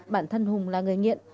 bản thân hùng là người nghiện